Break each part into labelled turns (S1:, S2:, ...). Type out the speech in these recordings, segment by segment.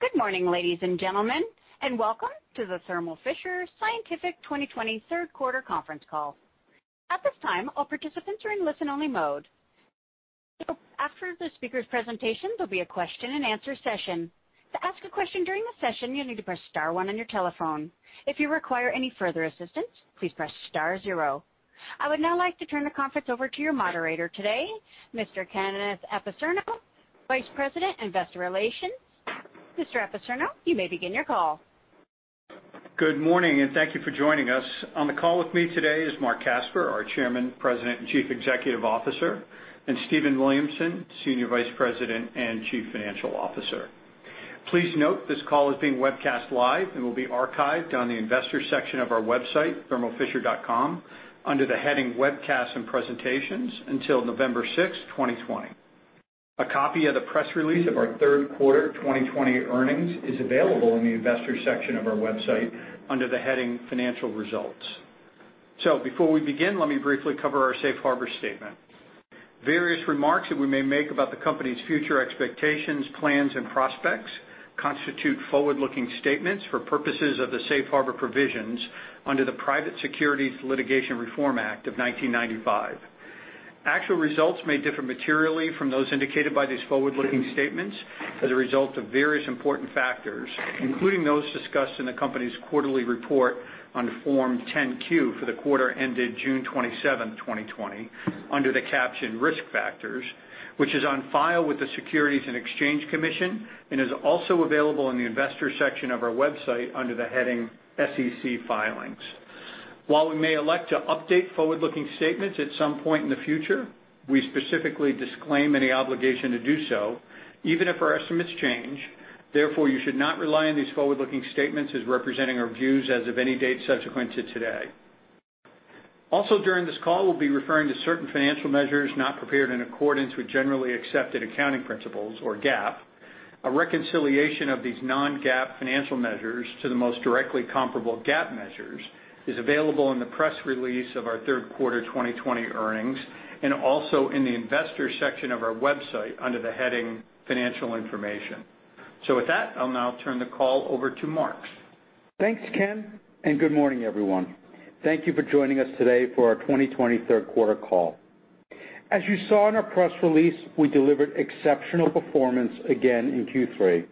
S1: Good morning, ladies and gentlemen, and welcome to the Thermo Fisher Scientific 2020 third quarter conference call. I would now like to turn the conference over to your moderator today, Mr. Kenneth Apicerno, Vice President, Investor Relations. Mr. Apicerno, you may begin your call.
S2: Good morning, and thank you for joining us. On the call with me today is Marc Casper, our Chairman, President, and Chief Executive Officer, and Stephen Williamson, Senior Vice President and Chief Financial Officer. Please note this call is being webcast live and will be archived on the investor section of our website, thermofisher.com, under the heading Webcasts & Presentations until November sixth, 2020. A copy of the press release of our third quarter 2020 earnings is available in the Investor section of our website under the heading Financial Results. Before we begin, let me briefly cover our safe harbor statement. Various remarks that we may make about the company's future expectations, plans, and prospects constitute forward-looking statements for purposes of the safe harbor provisions under the Private Securities Litigation Reform Act of 1995. Actual results may differ materially from those indicated by these forward-looking statements as a result of various important factors, including those discussed in the company's quarterly report on Form 10-Q for the quarter ended June 27, 2020, under the caption Risk Factors, which is on file with the Securities and Exchange Commission and is also available in the Investor section of our website under the heading SEC Filings. While we may elect to update forward-looking statements at some point in the future, we specifically disclaim any obligation to do so even if our estimates change. Therefore, you should not rely on these forward-looking statements as representing our views as of any date subsequent to today. Also during this call, we'll be referring to certain financial measures not prepared in accordance with generally accepted accounting principles, or GAAP. A reconciliation of these non-GAAP financial measures to the most directly comparable GAAP measures is available in the press release of our third quarter 2020 earnings and also in the Investor section of our website under the heading Financial Information. With that, I'll now turn the call over to Marc.
S3: Thanks, Ken. Good morning, everyone. Thank you for joining us today for our 2020 third quarter call. As you saw in our press release, we delivered exceptional performance again in Q3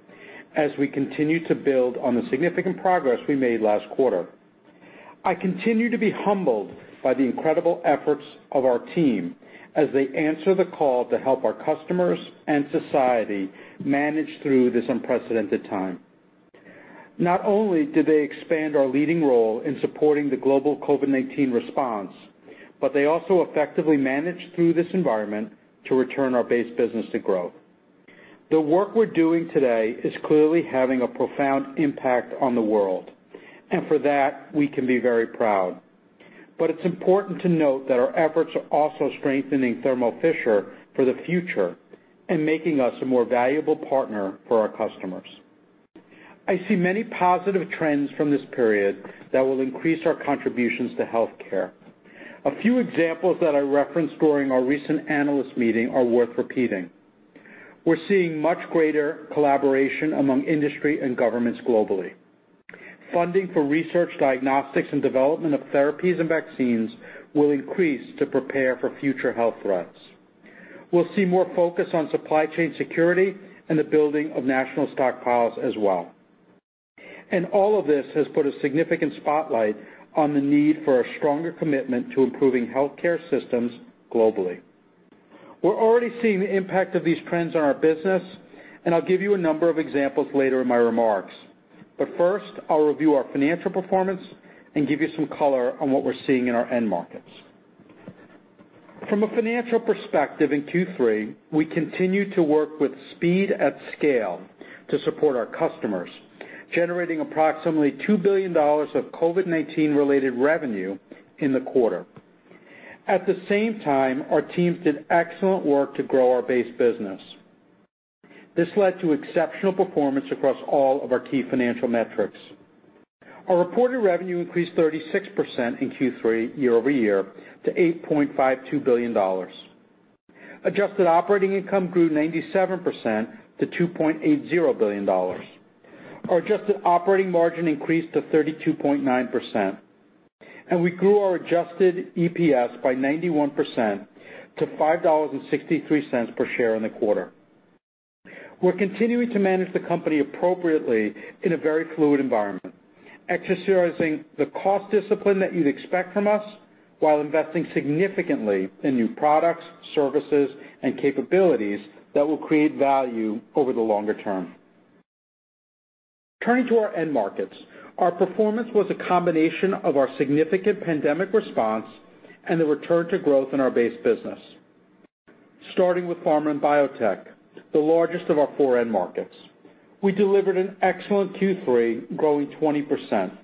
S3: as we continue to build on the significant progress we made last quarter. I continue to be humbled by the incredible efforts of our team as they answer the call to help our customers and society manage through this unprecedented time. Not only did they expand our leading role in supporting the global COVID-19 response, but they also effectively managed through this environment to return our base business to growth. The work we're doing today is clearly having a profound impact on the world, and for that, we can be very proud. It's important to note that our efforts are also strengthening Thermo Fisher for the future and making us a more valuable partner for our customers. I see many positive trends from this period that will increase our contributions to healthcare. A few examples that I referenced during our recent analyst meeting are worth repeating. We're seeing much greater collaboration among industry and governments globally. Funding for research diagnostics and the development of therapies and vaccines will increase to prepare for future health threats. We'll see more focus on supply chain security and the building of national stockpiles as well. All of this has put a significant spotlight on the need for a stronger commitment to improving healthcare systems globally. We're already seeing the impact of these trends on our business, and I'll give you a number of examples later in my remarks. First, I'll review our financial performance and give you some color on what we're seeing in our end markets. From a financial perspective in Q3, we continued to work with speed at scale to support our customers, generating approximately $2 billion of COVID-19 related revenue in the quarter. At the same time, our teams did excellent work to grow our base business. This led to exceptional performance across all of our key financial metrics. Our reported revenue increased 36% in Q3 year-over-year to $8.52 billion. Adjusted operating income grew 97% to $2.80 billion. Our adjusted operating margin increased to 32.9%. We grew our adjusted EPS by 91% to $5.63 per share in the quarter. We're continuing to manage the company appropriately in a very fluid environment, exercising the cost discipline that you'd expect from us while investing significantly in new products, services, and capabilities that will create value over the longer term. Turning to our end markets, our performance was a combination of our significant pandemic response and the return to growth in our base business. Starting with pharma and biotech, the largest of our four end markets, we delivered an excellent Q3, growing 20%.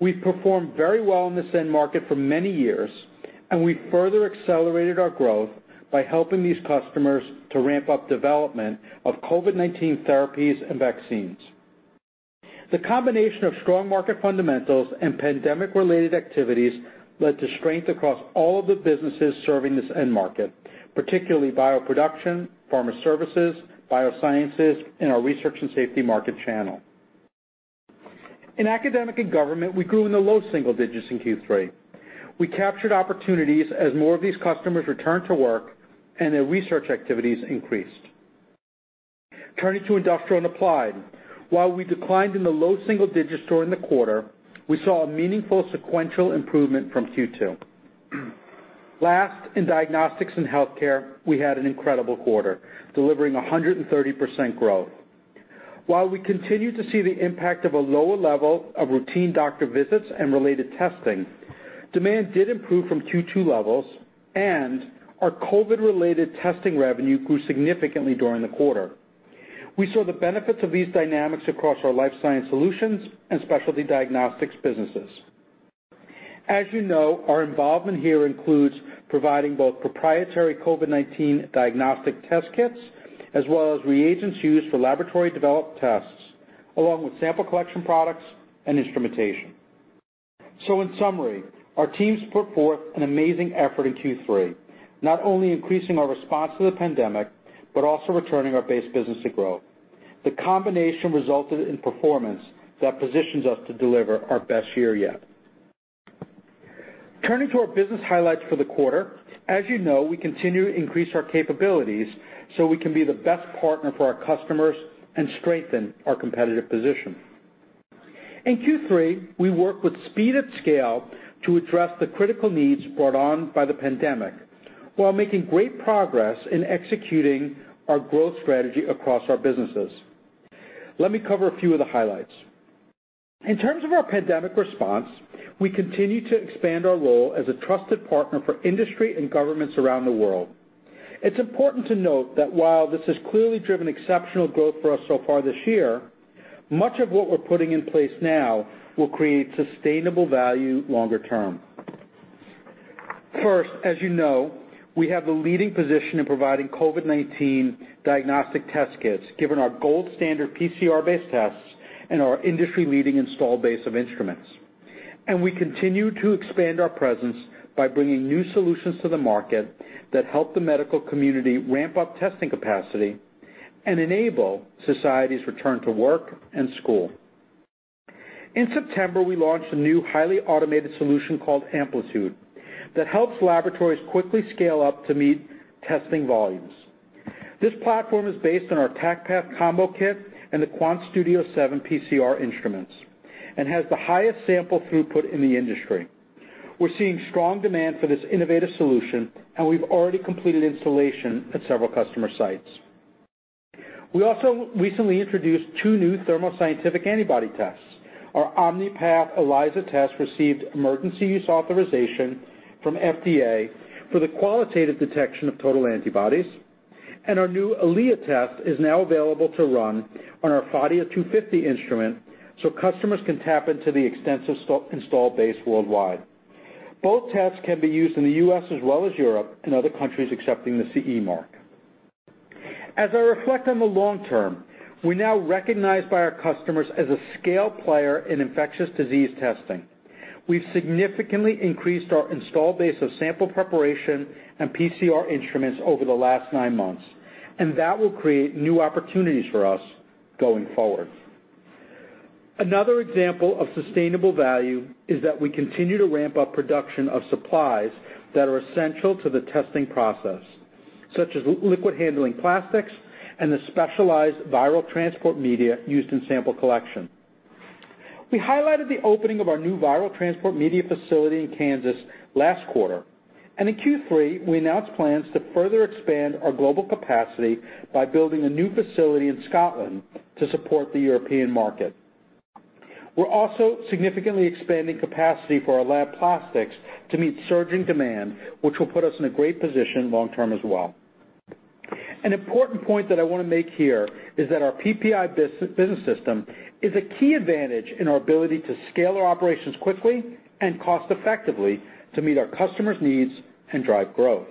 S3: We've performed very well in this end market for many years, and we further accelerated our growth by helping these customers to ramp up development of COVID-19 therapies and vaccines. The combination of strong market fundamentals and pandemic-related activities led to strength across all of the businesses serving this end market, particularly bioproduction, pharma services, biosciences, and our research and safety market channel. In academia and government, we grew in the low single digits in Q3. We captured opportunities as more of these customers returned to work and their research activities increased. Turning to industrial and applied. While we declined in the low single digits during the quarter, we saw a meaningful sequential improvement from Q2. In diagnostics and healthcare, we had an incredible quarter, delivering 130% growth. While we continue to see the impact of a lower level of routine doctor visits and related testing, demand did improve from Q2 levels, and our COVID-related testing revenue grew significantly during the quarter. We saw the benefits of these dynamics across our Life Sciences Solutions and Specialty Diagnostics businesses. As you know, our involvement here includes providing both proprietary COVID-19 diagnostic test kits and reagents used for laboratory-developed tests, along with sample collection products and instrumentation. In summary, our teams put forth an amazing effort in Q3, not only increasing our response to the pandemic but also returning our base business to growth. The combination resulted in performance that positions us to deliver our best year yet. Turning to our business highlights for the quarter. As you know, we continue to increase our capabilities so we can be the best partner for our customers and strengthen our competitive position. In Q3, we worked with speed and scale to address the critical needs brought on by the pandemic while making great progress in executing our growth strategy across our businesses. Let me cover a few of the highlights. In terms of our pandemic response, we continue to expand our role as a trusted partner for industry and governments around the world. It's important to note that while this has clearly driven exceptional growth for us so far this year, much of what we're putting in place now will create sustainable value longer term. First, as you know, we have the leading position in providing COVID-19 diagnostic test kits, given our gold standard PCR-based tests and our industry-leading installed base of instruments. We continue to expand our presence by bringing new solutions to the market that help the medical community ramp up testing capacity and enable societies' return to work and school. In September, we launched a new highly automated solution called Amplitude that helps laboratories quickly scale up to meet testing volumes. This platform is based on our TaqPath combo kit and the QuantStudio 7 PCR instruments and has the highest sample throughput in the industry. We're seeing strong demand for this innovative solution, and we've already completed installation at several customer sites. We also recently introduced two new Thermo Scientific antibody tests. Our OmniPATH ELISA test received emergency use authorization from the FDA for the qualitative detection of total antibodies. Our new EliA test is now available to run on our Phadia 250 instrument; customers can tap into the extensive installed base worldwide. Both tests can be used in the U.S. as well as Europe and other countries accepting the CE mark. As I reflect on the long term, we're now recognized by our customers as a scale player in infectious disease testing. We've significantly increased our installed base of sample preparation and PCR instruments over the last nine months, which will create new opportunities for us going forward. Another example of sustainable value is that we continue to ramp up production of supplies that are essential to the testing process, such as liquid handling plastics and the specialized viral transport media used in sample collection. We highlighted the opening of our new viral transport media facility in Kansas last quarter, and in Q3, we announced plans to further expand our global capacity by building a new facility in Scotland to support the European market. We're also significantly expanding capacity for our lab plastics to meet surging demand, which will put us in a great position long term as well. An important point that I want to make here is that our PPI business system is a key advantage in our ability to scale our operations quickly and cost effectively to meet our customers' needs and drive growth.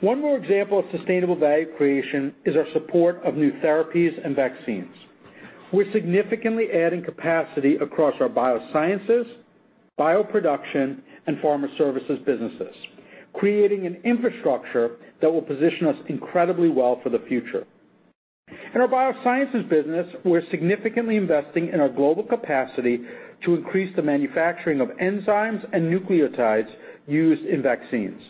S3: One more example of sustainable value creation is our support of new therapies and vaccines. We're significantly adding capacity across our biosciences, bioproduction, and pharma services businesses, creating an infrastructure that will position us incredibly well for the future. In our biosciences business, we're significantly investing in our global capacity to increase the manufacturing of enzymes and nucleotides used in vaccines.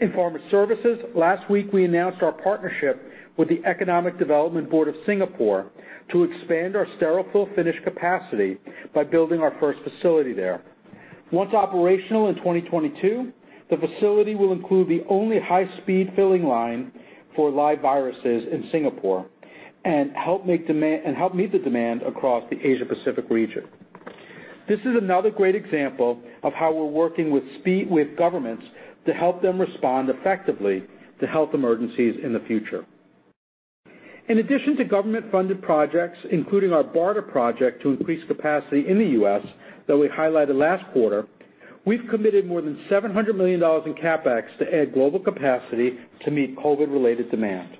S3: In pharma services, last week we announced our partnership with the Singapore Economic Development Board to expand our sterile fill finish capacity by building our first facility there. Once operational in 2022, the facility will include the only high-speed filling line for live viruses in Singapore and help meet the demand across the Asia-Pacific region. This is another great example of how we're working with governments to help them respond effectively to health emergencies in the future. In addition to government-funded projects, including our BARDA project to increase capacity in the U.S. that we highlighted last quarter. We've committed more than $700 million in CapEx to add global capacity to meet COVID-related demand.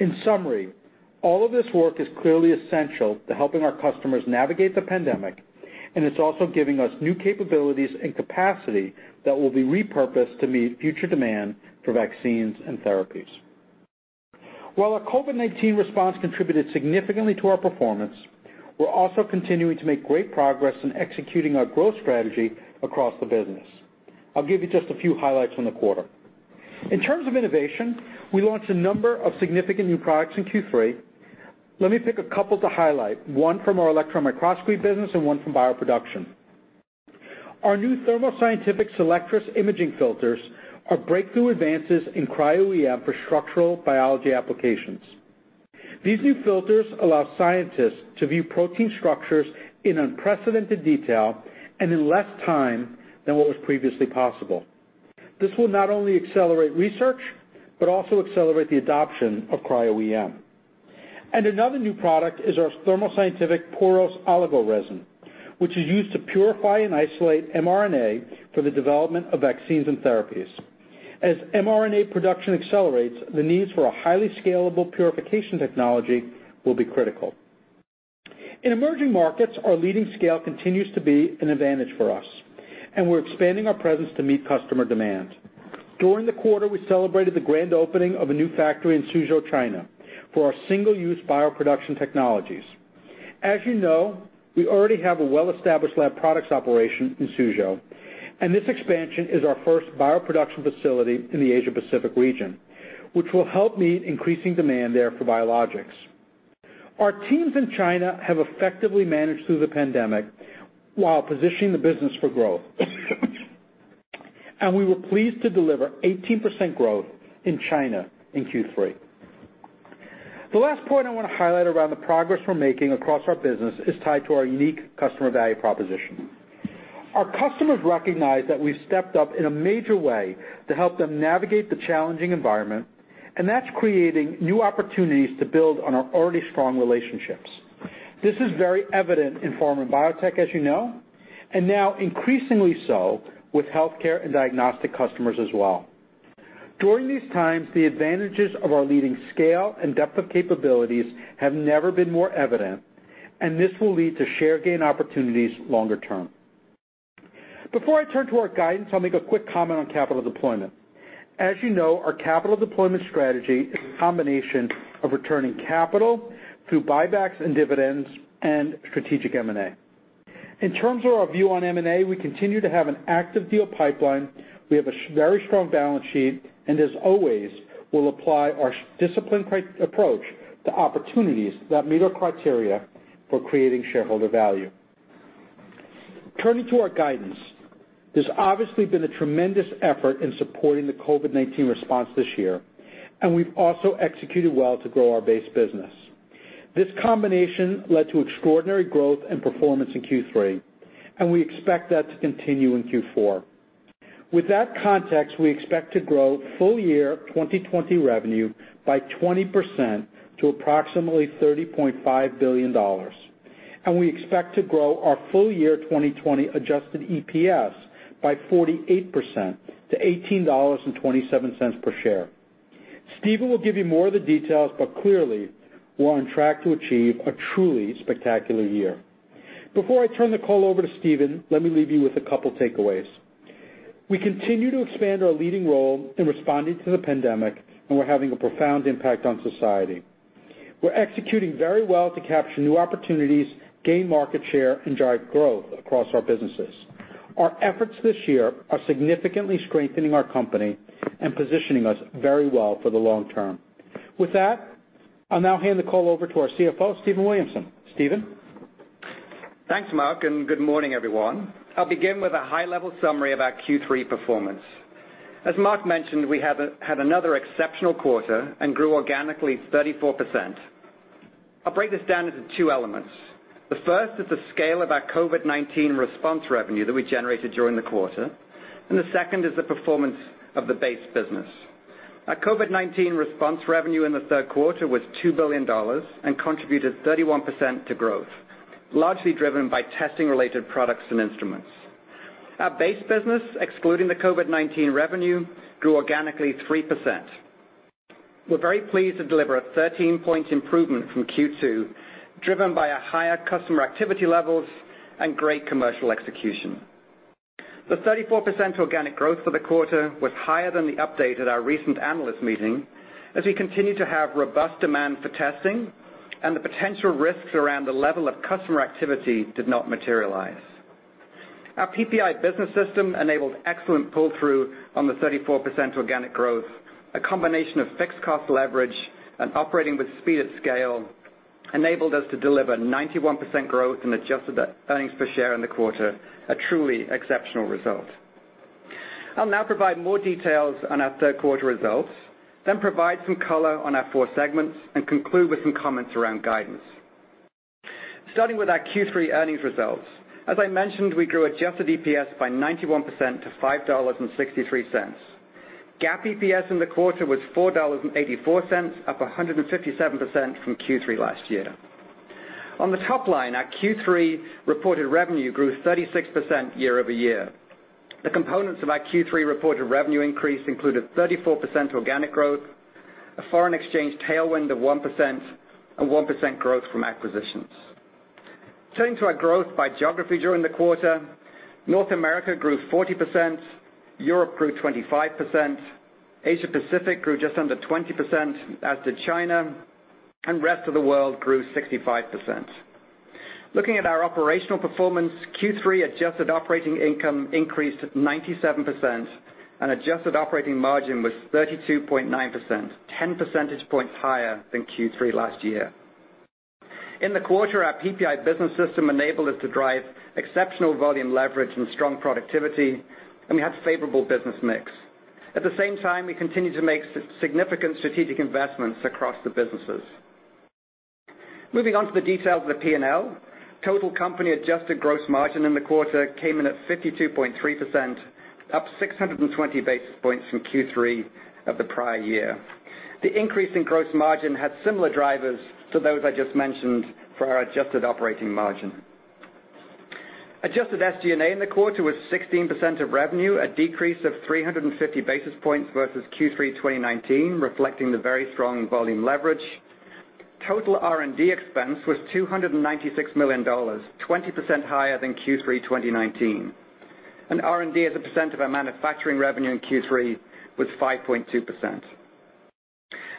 S3: In summary, all of this work is clearly essential to helping our customers navigate the pandemic, and it's also giving us new capabilities and capacity that will be repurposed to meet future demand for vaccines and therapies. While our COVID-19 response contributed significantly to our performance, we're also continuing to make great progress in executing our growth strategy across the business. I'll give you just a few highlights of the quarter. In terms of innovation, we launched a number of significant new products in Q3. Let me pick a couple to highlight, one from our electron microscopy business and one from bioproduction. Our new Thermo Scientific Selectris imaging filters are breakthrough advances in cryo-EM for structural biology applications. These new filters allow scientists to view protein structures in unprecedented detail and in less time than what was previously possible. This will not only accelerate research but also accelerate the adoption of cryo-EM. Another new product is our Thermo Scientific POROS Oligo resin, which is used to purify and isolate mRNA for the development of vaccines and therapies. As mRNA production accelerates, the needs for a highly scalable purification technology will be critical. In emerging markets, our leading scale continues to be an advantage for us, and we're expanding our presence to meet customer demand. During the quarter, we celebrated the grand opening of a new factory in Suzhou, China, for our single-use bioproduction technologies. As you know, we already have a well-established lab products operation in Suzhou, and this expansion is our first bioproduction facility in the Asia Pacific region, which will help meet increasing demand there for biologics. Our teams in China have effectively managed through the pandemic while positioning the business for growth. We were pleased to deliver 18% growth in China in Q3. The last point I want to highlight around the progress we're making across our business is tied to our unique customer value proposition. Our customers recognize that we've stepped up in a major way to help them navigate the challenging environment, and that's creating new opportunities to build on our already strong relationships. This is very evident in pharma and biotech, as you know, and now increasingly so with healthcare and diagnostic customers as well. During these times, the advantages of our leading scale and depth of capabilities have never been more evident, and this will lead to share gain opportunities long term. Before I turn to our guidance, I'll make a quick comment on capital deployment. As you know, our capital deployment strategy is a combination of returning capital through buybacks and dividends and strategic M&A. In terms of our view on M&A, we continue to have an active deal pipeline, we have a very strong balance sheet, and as always, we'll apply our disciplined approach to opportunities that meet our criteria for creating shareholder value. Turning to our guidance. There's obviously been a tremendous effort in supporting the COVID-19 response this year, and we've also executed well to grow our base business. This combination led to extraordinary growth and performance in Q3, and we expect that to continue in Q4. With that context, we expect to grow full-year 2020 revenue by 20% to approximately $30.5 billion, and we expect to grow our full-year 2020 adjusted EPS by 48% to $18.27 per share. Stephen will give you more of the details, but clearly, we're on track to achieve a truly spectacular year. Before I turn the call over to Stephen, let me leave you with a couple takeaways. We continue to expand our leading role in responding to the pandemic, and we're having a profound impact on society. We're executing very well to capture new opportunities, gain market share, and drive growth across our businesses. Our efforts this year are significantly strengthening our company and positioning us very well for the long term. With that, I'll now hand the call over to our CFO, Stephen Williamson. Stephen?
S4: Thanks, Marc, good morning, everyone. I'll begin with a high-level summary of our Q3 performance. As Marc mentioned, we had another exceptional quarter and grew organically 34%. I'll break this down into two elements. The first is the scale of our COVID-19 response revenue that we generated during the quarter, and the second is the performance of the base business. Our COVID-19 response revenue in the third quarter was $2 billion and contributed 31% to growth, largely driven by testing-related products and instruments. Our base business, excluding the COVID-19 revenue, grew organically 3%. We're very pleased to deliver a 13-point improvement from Q2, driven by higher customer activity levels and great commercial execution. The 34% organic growth for the quarter was higher than the update at our recent Analyst Day, as we continue to have robust demand for testing, and the potential risks around the level of customer activity did not materialize. Our PPI business system enabled excellent pull-through on the 34% organic growth. A combination of fixed cost leverage and operating with speed and scale enabled us to deliver 91% growth in adjusted earnings per share in the quarter, a truly exceptional result. I'll now provide more details on our third quarter results, then provide some color on our four segments, and conclude with some comments around guidance. Starting with our Q3 earnings results. As I mentioned, we grew adjusted EPS by 91% to $5.63. GAAP EPS in the quarter was $4.84, up 157% from Q3 last year. On the top line, our Q3 reported revenue grew 36% year-over-year. The components of our Q3 reported revenue increase included 34% organic growth, a foreign exchange tailwind of 1%, and 1% growth from acquisitions. Turning to our growth by geography during the quarter, North America grew 40%; Europe grew 25%; Asia Pacific grew just under 20%, as did China; and the rest of the world grew 65%. Looking at our operational performance, Q3 adjusted operating income increased 97%, and adjusted operating margin was 32.9%, 10 percentage points higher than Q3 last year. In the quarter, our PPI business system enabled us to drive exceptional volume leverage and strong productivity, and we had favorable business mix. At the same time, we continued to make significant strategic investments across the businesses. Moving on to the details of the P&L. Total company adjusted gross margin in the quarter came in at 52.3%, up 620 basis points from Q3 of the prior year. The increase in gross margin had similar drivers to those I just mentioned for our adjusted operating margin. Adjusted SG&A in the quarter was 16% of revenue, a decrease of 350 basis points versus Q3 2019, reflecting the very strong volume leverage. Total R&D expense was $296 million, 20% higher than Q3 2019. R&D as a percent of our manufacturing revenue in Q3 was 5.2%.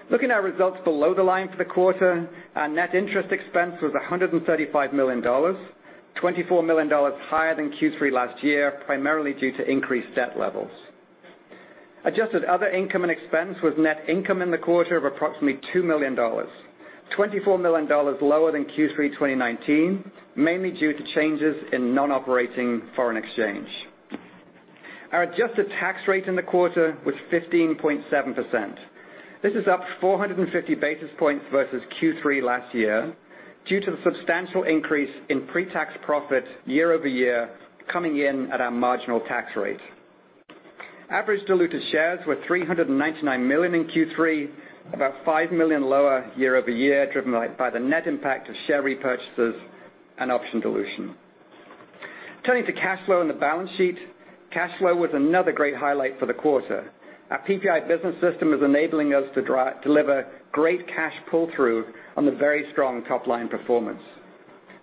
S4: Looking at our results below the line for the quarter, our net interest expense was $135 million, $24 million higher than Q3 last year, primarily due to increased debt levels. Adjusted other income and expense was net income in the quarter of approximately $2 million, $24 million lower than Q3 2019, mainly due to changes in nonoperating foreign exchange. Our adjusted tax rate in the quarter was 15.7%. This is up 450 basis points versus Q3 last year due to the substantial increase in pre-tax profit year-over-year coming in at our marginal tax rate. Average diluted shares were 399 million in Q3, about five million lower year-over-year, driven by the net impact of share repurchases and option dilution. Turning to cash flow and the balance sheet. Cash flow was another great highlight for the quarter. Our PPI business system is enabling us to deliver great cash pull-through on the very strong top-line performance.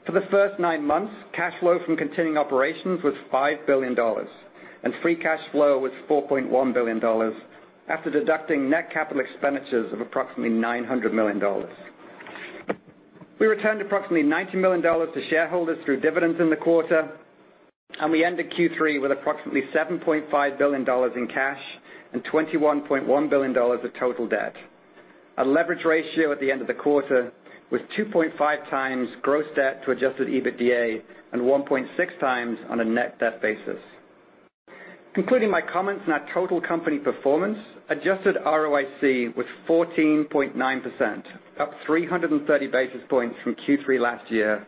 S4: For the first nine months, cash flow from continuing operations was $5 billion, and free cash flow was $4.1 billion, after deducting net CapEx of approximately $900 million. We returned approximately $90 million to shareholders through dividends in the quarter, and we ended Q3 with approximately $7.5 billion in cash and $21.1 billion of total debt. Our leverage ratio at the end of the quarter was 2.5x gross debt to adjusted EBITDA and 1.6 times on a net debt basis. Concluding my comments on our total company performance, adjusted ROIC was 14.9%, up 330 basis points from Q3 last year,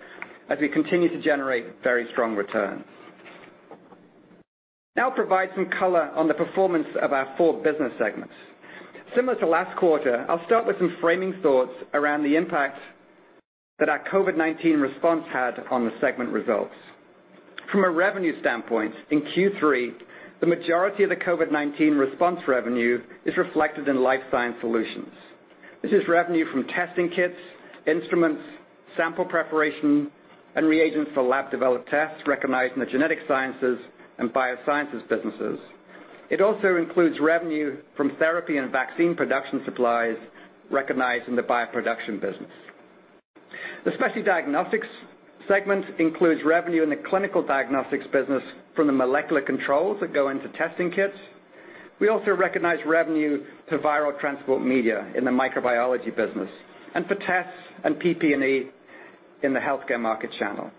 S4: as we continue to generate very strong returns. Now I'll provide some color on the performance of our four business segments. Similar to last quarter, I'll start with some framing thoughts around the impact that our COVID-19 response had on the segment results. From a revenue standpoint, in Q3, the majority of the COVID-19 response revenue is reflected in Life Sciences Solutions. This is revenue from testing kits, instruments, sample preparation, and reagents for lab-developed tests recognized in the genetic sciences and biosciences businesses. It also includes revenue from therapy and vaccine production supplies recognized in the bioproduction business. The Specialty Diagnostics segment includes revenue in the clinical diagnostics business from the molecular controls that go into testing kits. We also recognize revenue from viral transport media in the microbiology business and for tests and PPE in the healthcare market channel.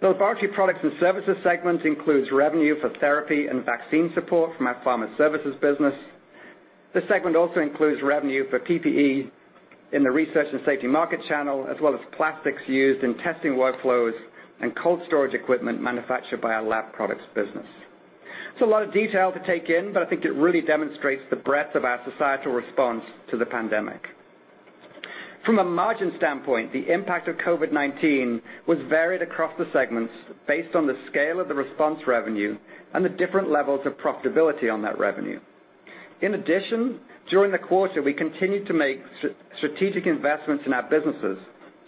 S4: The Laboratory Products and Services segment includes revenue for therapy and vaccine support from our pharma services business. This segment also includes revenue for PPE in the research and safety market channel, as well as plastics used in testing workflows and cold storage equipment manufactured by our lab products business. It's a lot of detail to take in, but I think it really demonstrates the breadth of our societal response to the pandemic. From a margin standpoint, the impact of COVID-19 was varied across the segments based on the scale of the response revenue and the different levels of profitability on that revenue. In addition, during the quarter, we continued to make strategic investments in our businesses,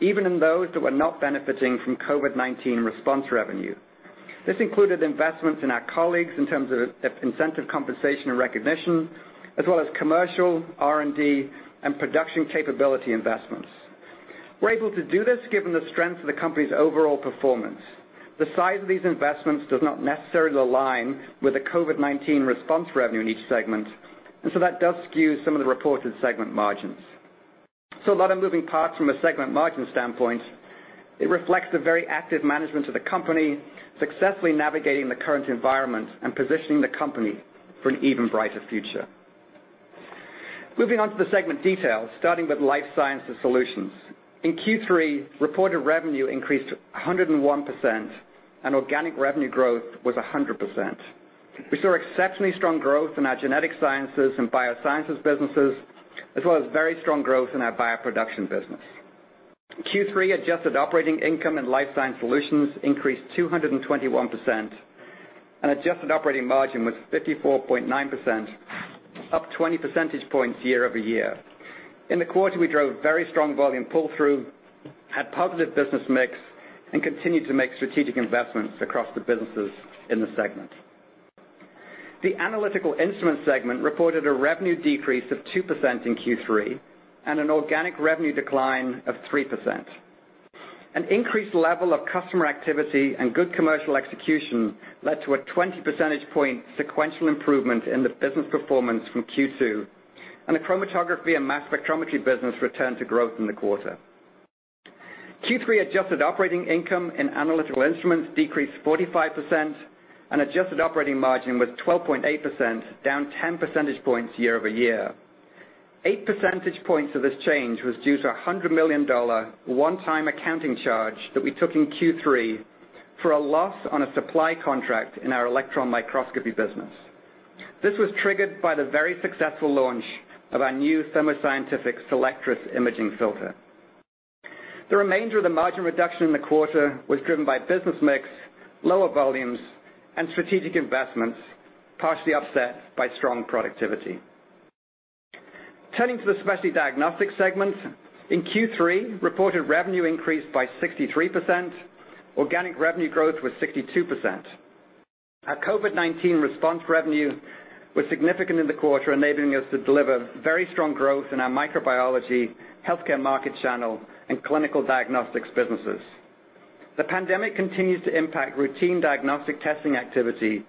S4: even in those that were not benefiting from COVID-19 response revenue. This included investments in our colleagues in terms of incentive compensation and recognition, as well as commercial, R&D, and production capability investments. We're able to do this given the strength of the company's overall performance. The size of these investments does not necessarily align with the COVID-19 response revenue in each segment, and so that does skew some of the reported segment margins. A lot of moving parts from a segment margin standpoint. It reflects the very active management of the company, successfully navigating the current environment and positioning the company for an even brighter future. Moving on to the segment details, starting with Life Sciences Solutions. In Q3, reported revenue increased 101%, and organic revenue growth was 100%. We saw exceptionally strong growth in our Genetic Sciences and Biosciences businesses, as well as very strong growth in our Bioproduction business. Q3 adjusted operating income and Life Sciences Solutions increased 221%, and adjusted operating margin was 54.9%, up 20 percentage points year-over-year. In the quarter, we drove very strong volume pull-through, had a positive business mix, and continued to make strategic investments across the businesses in the segment. The Analytical Instruments segment reported a revenue decrease of 2% in Q3 and an organic revenue decline of 3%. An increased level of customer activity and good commercial execution led to a 20 percentage point sequential improvement in the business performance from Q2, and the Chromatography and Mass Spectrometry business returned to growth in the quarter. Q3 adjusted operating income in Analytical Instruments decreased 45%, and adjusted operating margin was 12.8%, down 10 percentage points year-over-year. Eight percentage points of this change were due to a $100 million one-time accounting charge that we took in Q3 for a loss on a supply contract in our electron microscopy business. This was triggered by the very successful launch of our new Thermo Scientific Selectris imaging filter. The remainder of the margin reduction in the quarter was driven by business mix, lower volumes, and strategic investments, partially offset by strong productivity. Turning to the Specialty Diagnostics segment. In Q3, reported revenue increased by 63%. Organic revenue growth was 62%. Our COVID-19 response revenue was significant in the quarter, enabling us to deliver very strong growth in our microbiology, healthcare market channel, and clinical diagnostics businesses. The pandemic continues to impact routine diagnostic testing activity,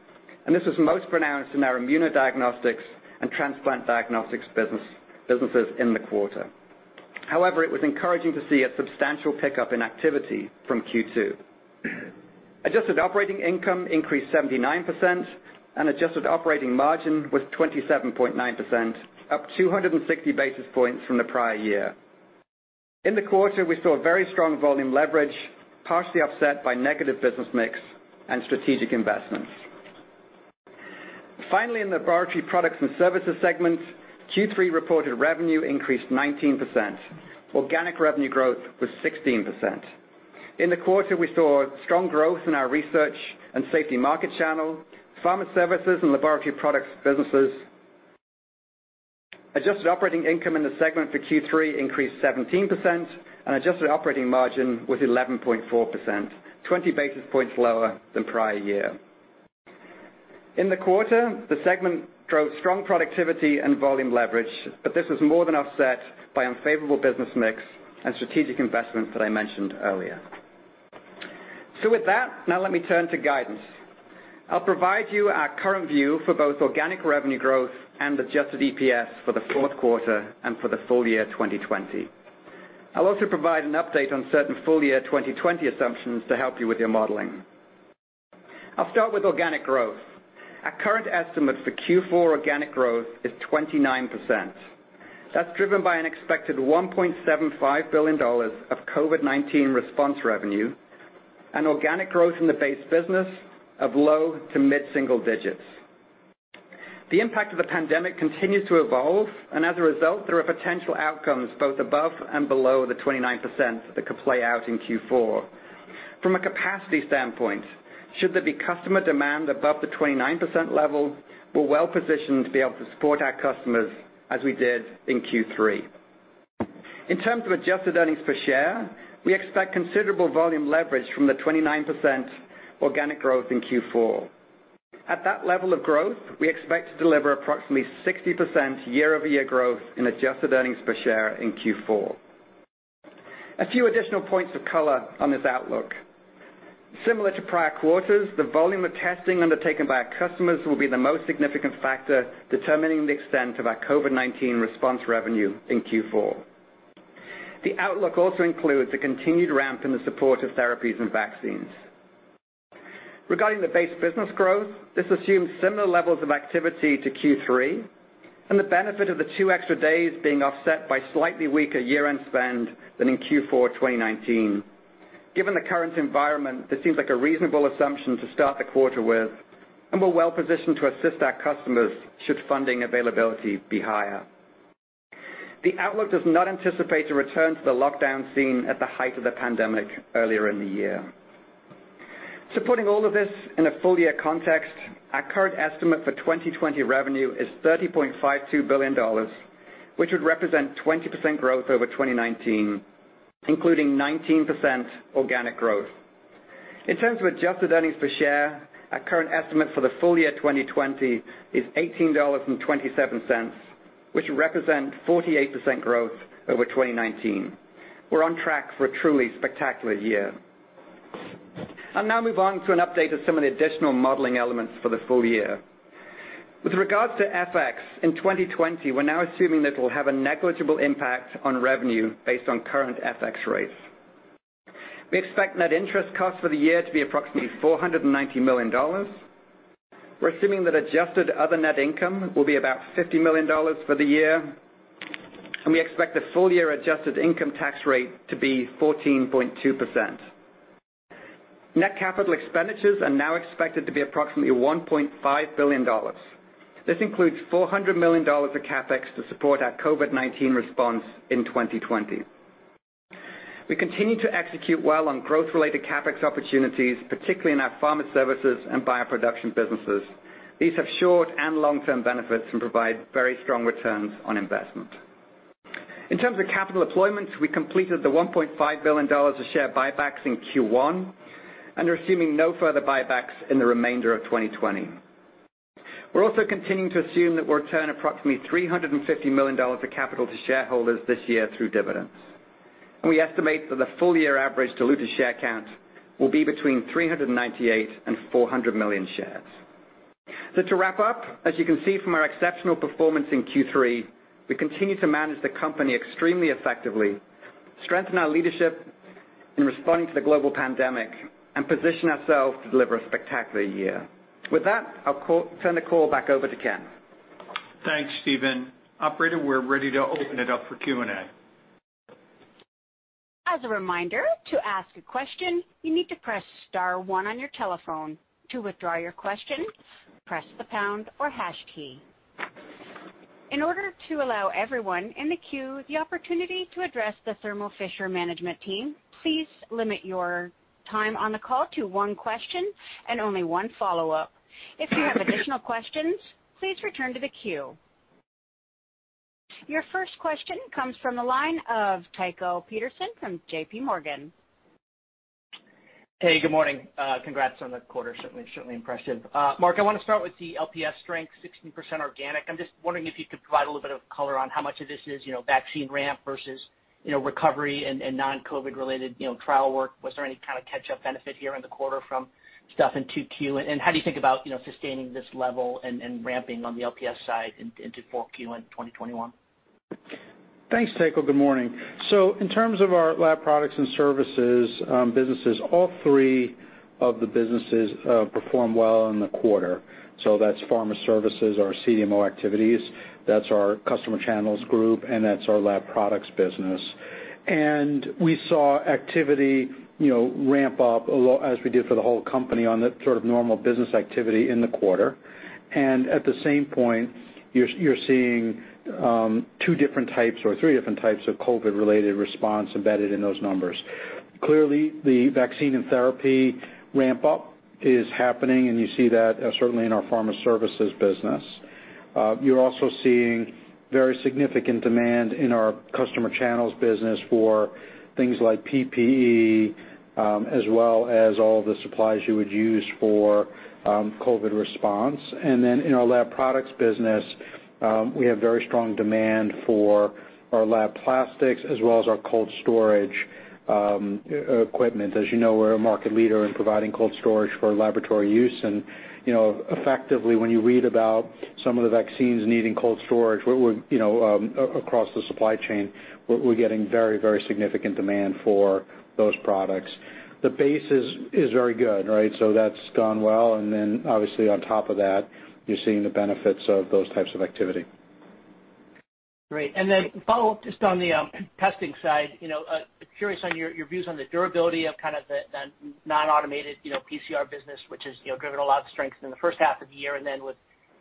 S4: and this was most pronounced in our immunodiagnostics and transplant diagnostics businesses in the quarter. However, it was encouraging to see a substantial pickup in activity from Q2. Adjusted operating income increased 79%, and adjusted operating margin was 27.9%, up 260 basis points from the prior year. In the quarter, we saw very strong volume leverage, partially offset by negative business mix and strategic investments. Finally, in the Laboratory Products and Services segment, Q3 reported revenue increased 19%. Organic revenue growth was 16%. In the quarter, we saw strong growth in our research and safety market channel, pharma services, and laboratory products businesses. Adjusted operating income in the segment for Q3 increased 17%, and adjusted operating margin was 11.4%, 20 basis points lower than the prior year. In the quarter, the segment drove strong productivity and volume leverage, but this was more than offset by unfavorable business mix and strategic investments that I mentioned earlier. With that, now let me turn to guidance. I'll provide you our current view for both organic revenue growth and adjusted EPS for the fourth quarter and for the full year 2020. I'll also provide an update on certain full-year 2020 assumptions to help you with your modeling. I'll start with organic growth. Our current estimate for Q4 organic growth is 29%. That's driven by an expected $1.75 billion of COVID-19 response revenue and organic growth in the base business of low to mid-single digits. The impact of the pandemic continues to evolve, and as a result, there are potential outcomes both above and below the 29% that could play out in Q4. From a capacity standpoint, should there be customer demand above the 29% level, we're well-positioned to be able to support our customers as we did in Q3. In terms of adjusted earnings per share, we expect considerable volume leverage from the 29% organic growth in Q4. At that level of growth, we expect to deliver approximately 60% year-over-year growth in adjusted earnings per share in Q4. A few additional points of color on this outlook. Similar to prior quarters, the volume of testing undertaken by our customers will be the most significant factor determining the extent of our COVID-19 response revenue in Q4. The outlook also includes a continued ramp in the support of therapies and vaccines. Regarding the base business growth, this assumes similar levels of activity to Q3 and the benefit of the two extra days being offset by slightly weaker year-end spend than in Q4 2019. Given the current environment, this seems like a reasonable assumption to start the quarter with, and we're well-positioned to assist our customers should funding availability be higher. The outlook does not anticipate a return to the lockdown seen at the height of the pandemic earlier in the year. Supporting all of this in a full-year context, our current estimate for 2020 revenue is $30.52 billion, which would represent 20% growth over 2019, including 19% organic growth. In terms of adjusted earnings per share, our current estimate for the full year 2020 is $18.27, which would represent 48% growth over 2019. We're on track for a truly spectacular year. I'll now move on to an update of some of the additional modeling elements for the full year. With regards to FX in 2020, we're now assuming that it will have a negligible impact on revenue based on current FX rates. We expect net interest costs for the year to be approximately $490 million. We're assuming that adjusted other net income will be about $50 million for the year. We expect the full-year adjusted income tax rate to be 14.2%. Net capital expenditures are now expected to be approximately $1.5 billion. This includes $400 million of CapEx to support our COVID-19 response in 2020. We continue to execute well on growth-related CapEx opportunities, particularly in our pharma services and bioproduction businesses. These have short- and long-term benefits and provide very strong returns on investment. In terms of capital deployments, we completed the $1.5 billion of share buybacks in Q1 and are assuming no further buybacks in the remainder of 2020. We're also continuing to assume that we'll return approximately $350 million of capital to shareholders this year through dividends. We estimate that the full-year average diluted share count will be between 398 and 400 million shares. To wrap up, as you can see from our exceptional performance in Q3, we continue to manage the company extremely effectively, strengthen our leadership in responding to the global pandemic, and position ourselves to deliver a spectacular year. With that, I'll turn the call back over to Ken.
S2: Thanks, Stephen. Operator, we're ready to open it up for Q&A.
S1: As a reminder, to ask a question, you need to press star one on your telephone. To withdraw your question, press the pound or hash key. In order to allow everyone in the queue the opportunity to address the Thermo Fisher management team, please limit your time on the call to one question and only one follow-up. If you have additional questions, please return to the queue. Your first question comes from the line of Tycho Peterson from JPMorgan.
S5: Hey, good morning. Congrats on the quarter. Certainly impressive. Marc, I want to start with the LPS strength, 16% organic. I'm just wondering if you could provide a little bit of color on how much of this is vaccine ramp versus recovery and non-COVID related trial work. Was there any kind of catch-up benefit here in the quarter from stuff in 2Q? How do you think about sustaining this level and ramping on the LPS side into 4Q and 2021?
S3: Thanks, Tycho. Good morning. In terms of our Laboratory Products and Services businesses, all three of the businesses performed well in the quarter. That's pharma services, our CDMO activities, our customer channels group, and our lab products business. We saw activity ramp up as we did for the whole company on that sort of normal business activity in the quarter. At the same point, you're seeing two different types or three different types of COVID-related responses embedded in those numbers. Clearly, the vaccine and therapy ramp-up is happening, and you see that certainly in our pharma services business. You're also seeing very significant demand in our customer channels business for things like PPE, as well as all the supplies you would use for COVID response. In our lab products business, we have very strong demand for our lab plastics as well as our cold storage equipment. As you know, we're a market leader in providing cold storage for laboratory use, and effectively, when you read about some of the vaccines needing cold storage across the supply chain, we're getting very significant demand for those products. The base is very good, right? That's gone well; obviously, on top of that, you're seeing the benefits of those types of activity.
S5: Great. Follow up just on the testing side; I'm curious on your views on the durability of kind of the non-automated PCR business, which has driven a lot of strength in the first half of the year. With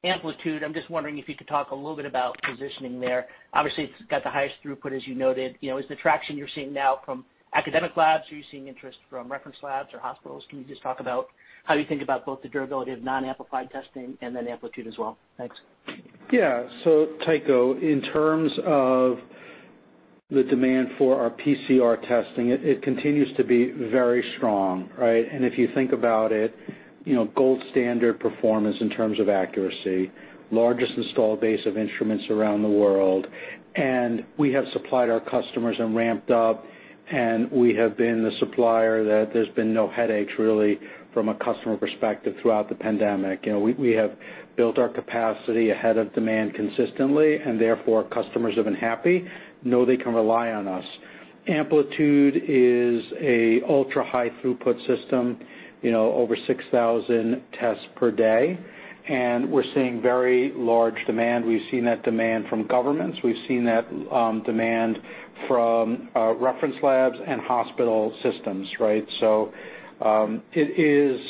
S5: Amplitude, I'm just wondering if you could talk a little bit about positioning there. Obviously, it's got the highest throughput, as you noted. Is the traction you're seeing now from academic labs? Are you seeing interest from reference labs or hospitals? Can you just talk about how you think about both the durability of non-amplified testing and Amplitude as well? Thanks.
S3: Yeah. Tycho, in terms of the demand for our PCR testing, it continues to be very strong, right? If you think about it, it's the gold standard performance in terms of accuracy and the largest installed base of instruments around the world. We have supplied our customers and ramped up, and we have been the supplier that there's been no headaches from, really, from a customer perspective throughout the pandemic. We have built our capacity ahead of demand consistently, and therefore, customers have been happy and know they can rely on us. Amplitude is an ultra-high throughput system, over 6,000 tests per day, and we're seeing very large demand. We've seen that demand from governments. We've seen that demand from reference labs and hospital systems, right? It is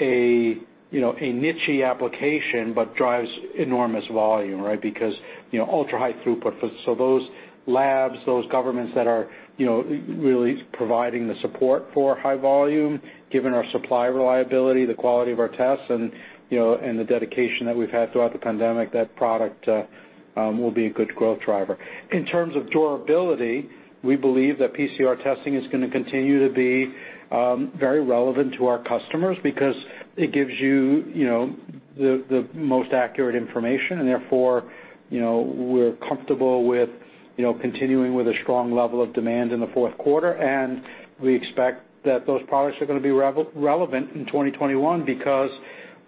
S3: a niche-y application but drives enormous volume, right? Because ultra-high throughput. Those labs and those governments that are really providing the support for high volume, given our supply reliability, the quality of our tests, and the dedication that we've had throughout the pandemic, will make that product a good growth driver. In terms of durability, we believe that PCR testing is going to continue to be very relevant to our customers because it gives you the most accurate information, and therefore, we're comfortable with continuing with a strong level of demand in the fourth quarter, and we expect that those products are going to be relevant in 2021 because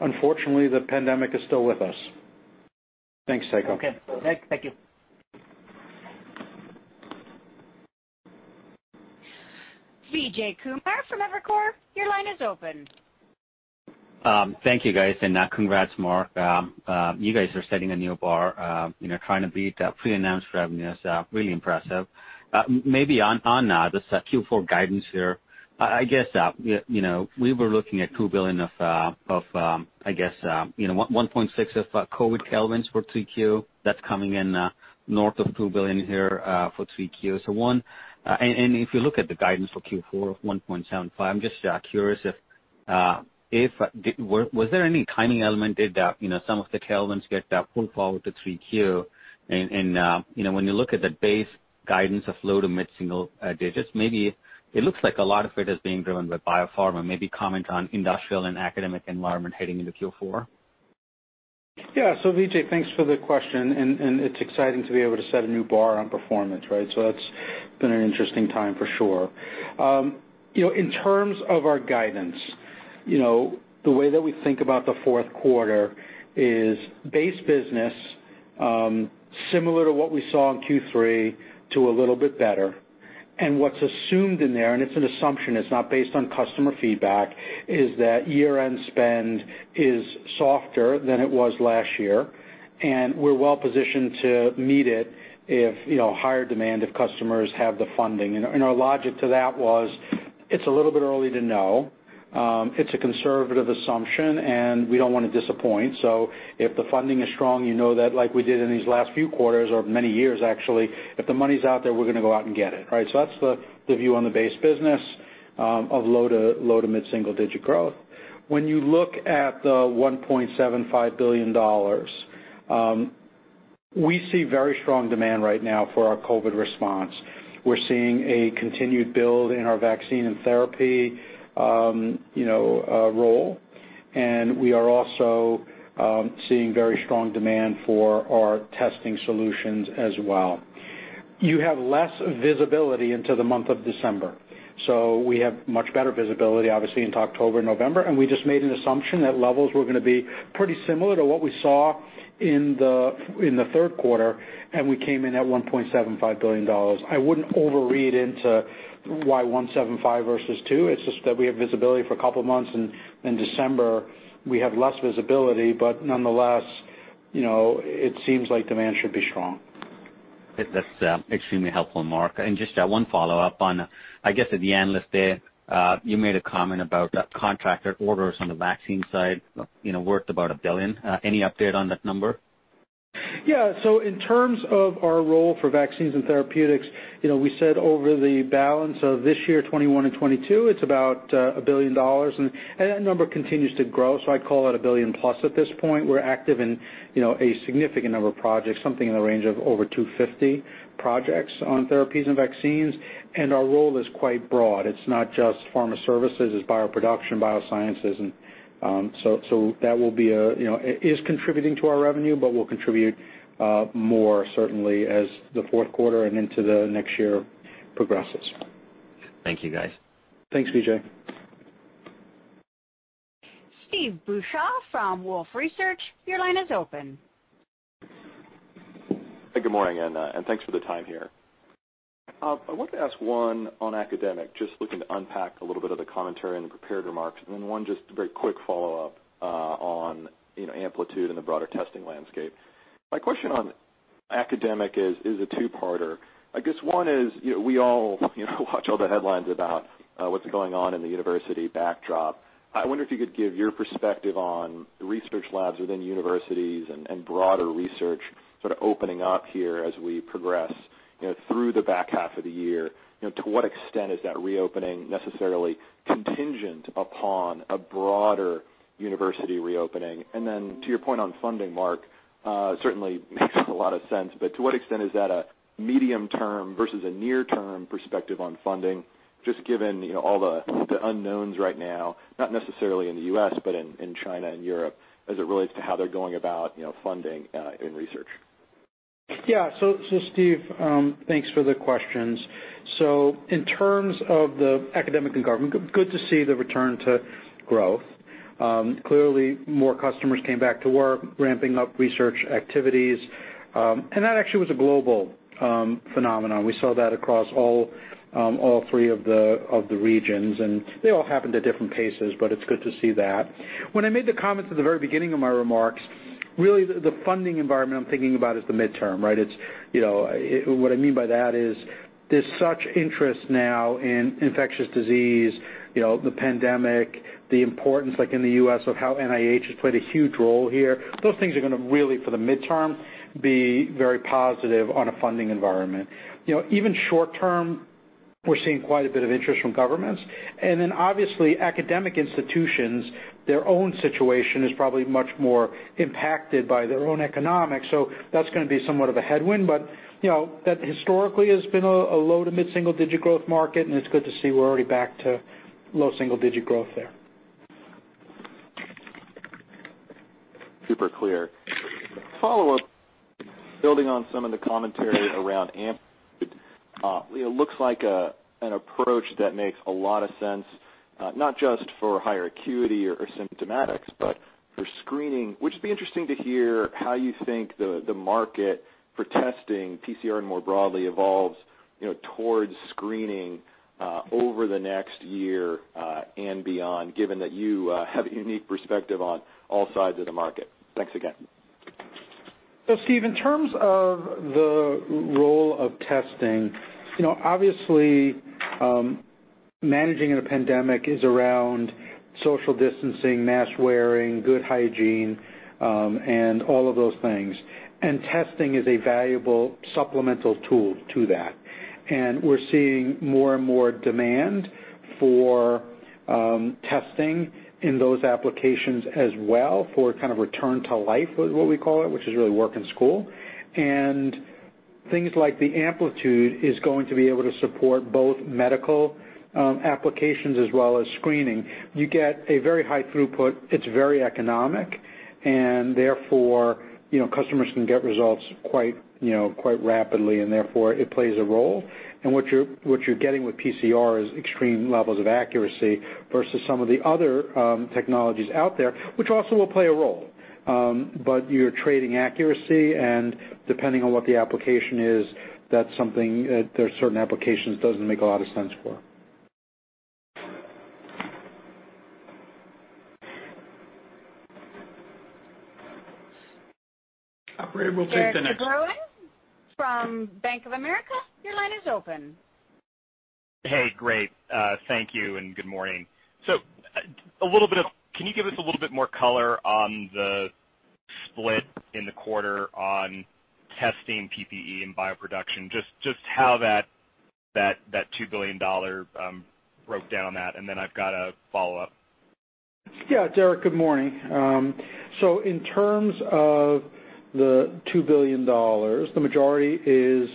S3: unfortunately, the pandemic is still with us. Thanks, Tycho.
S5: Okay. Thank you.
S1: Vijay Kumar from Evercore, your line is open.
S6: Thank you guys. Congrats, Marc. You guys are setting a new bar, trying to beat pre-announced revenues. Really impressive. On the Q4 guidance here, we were looking at $2 billion of $1.6 billion in COVID tailwinds for 3Q. That's coming in north of $2 billion here for 3Q. If you look at the guidance for Q4 of $1.75, I'm just curious, was there any timing element? Did some of the tailwinds get pulled forward to 3Q? When you look at the base guidance of low-to-mid single digits, maybe it looks like a lot of it is being driven by biopharma. Comment on the industrial and academic environment heading into Q4.
S3: Yeah. Vijay, thanks for the question, and it's exciting to be able to set a new bar on performance, right? That's been an interesting time for sure. In terms of our guidance, the way that we think about the fourth quarter is base business, similar to what we saw in Q3 to a little bit better. What's assumed in there, and it's an assumption; it's not based on customer feedback, is that year-end spend is softer than it was last year, and we're well-positioned to meet it if there's higher demand, if customers have the funding. Our logic to that was it's a little bit early to know. It's a conservative assumption, and we don't want to disappoint. If the funding is strong, you know that like we did in these last few quarters or many years actually, if the money's out there, we're going to go out and get it, right? That's the view on the base business of low- to mid-single-digit growth. When you look at the $1.75 billion, we see very strong demand right now for our COVID-19 response. We're seeing a continued build in our vaccine and therapy role, and we are also seeing very strong demand for our testing solutions as well. You have less visibility into the month of December, so we have much better visibility, obviously, into October and November, and we just made an assumption that levels were going to be pretty similar to what we saw in the third quarter, and we came in at $1.75 billion. I wouldn't overread into why $1.75 billion versus two. It's just that we have visibility for a couple of months, and in December, we have less visibility. Nonetheless, it seems like demand should be strong.
S6: That's extremely helpful, Marc. Just one follow-up on, I guess, the Analyst Day: you made a comment about contractor orders on the vaccine side worth about $1 billion. Any update on that number?
S3: In terms of our role for vaccines and therapeutics, we said over the balance of this year, 2021 and 2022, it's about $1 billion; that number continues to grow. I call it $1 billion plus at this point. We're active in a significant number of projects, something in the range of over 250 projects on therapies and vaccines; our role is quite broad. It's not just pharma services; it's bioproduction and biosciences that are contributing to our revenue, and they will contribute more, certainly, as the fourth quarter and into the next year progress.
S6: Thank you, guys.
S3: Thanks, Vijay.
S1: Steve Beuchaw from Wolfe Research, your line is open.
S7: Good morning, and thanks for the time here. I wanted to ask one on academics, just looking to unpack a little bit of the commentary in the prepared remarks, then one just very quick follow-up on Amplitude and the broader testing landscape. My question on academics is a two-parter. I guess one is we all watch all the headlines about what's going on in the university backdrop. I wonder if you could give your perspective on research labs within universities and broader research sort of opening up here as we progress through the back half of the year. To what extent is that reopening necessarily contingent upon a broader university reopening? To your point on funding, Marc, it certainly makes a lot of sense, but to what extent is that a medium-term versus a near-term perspective on funding, just given all the unknowns right now, not necessarily in the U.S., but in China and Europe as it relates to how they're going about funding research?
S3: Yeah. Steve, thanks for the questions. In terms of academia and government, it's good to see the return to growth. Clearly, more customers came back to work, ramping up research activities. That actually was a global phenomenon. We saw that across all three of the regions, they all happened at different paces; it's good to see that. When I made the comments at the very beginning of my remarks, really, the funding environment I'm thinking about is the midterm, right? What I mean by that is there's such interest now in infectious disease, the pandemic, and the importance, like in the U.S., of how the NIH has played a huge role here. Those things are going to really, for the midterm, be very positive on a funding environment. Even short-term, we're seeing quite a bit of interest from governments. Then obviously, academic institutions' own situation is probably much more impacted by their own economics, so that's going to be somewhat of a headwind. That historically has been a low- to mid-single-digit growth market, and it's good to see we're already back to low-single-digit growth there.
S7: Super clear. Follow-up, building on some of the commentary around Amplitude, it looks like an approach that makes a lot of sense. Not just for higher acuity or symptoms, but for screening. Would it be interesting to hear how you think the market for testing PCR more broadly evolves towards screening over the next year and beyond, given that you have a unique perspective on all sides of the market? Thanks again.
S3: Steve, in terms of the role of testing, obviously, managing in a pandemic is about social distancing, mask wearing, good hygiene, and all of those things. Testing is a valuable supplemental tool to that. We're seeing more and more demand for testing in those applications as well, for a kind of return to life, which is what we call it, which is really work and school. Things like the Amplitude is going to be able to support both medical applications as well as screening. You get a very high throughput; it's very economic, and therefore, customers can get results quite rapidly, and therefore, it plays a role. What you're getting with PCR is extreme levels of accuracy versus some of the other technologies out there, which also will play a role. You're trading accuracy, and depending on what the application is, there are certain applications it doesn't make a lot of sense for. Operator, we'll take the next-
S1: Derik De Bruin from Bank of America, your line is open.
S8: Hey, great. Thank you and good morning. Can you give us a little bit more color on the split in the quarter on testing PPE and bioproduction, just how that $2 billion break down? I've got a follow-up.
S3: Derik, good morning. In terms of the $2 billion, the majority is